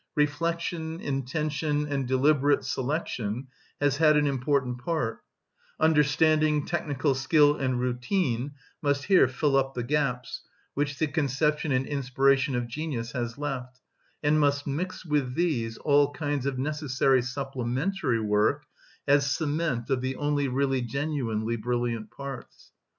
reflection, intention, and deliberate selection has had an important part; understanding, technical skill, and routine must here fill up the gaps which the conception and inspiration of genius has left, and must mix with these all kinds of necessary supplementary work as cement of the only really genuinely brilliant parts.